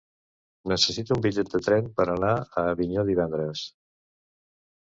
Necessito un bitllet de tren per anar a Avinyó divendres.